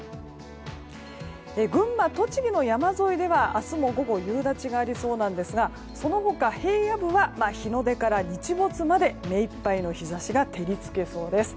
群馬、栃木の山沿いでは明日も午後夕立がありそうですがその他、平野部は日の出から日没まで目いっぱいの日差しが照りつけそうです。